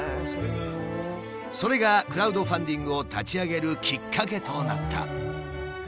それがクラウドファンディングを立ち上げるきっかけとなった。